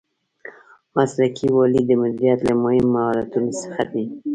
مسلکي والی د مدیریت له مهمو مهارتونو څخه دی.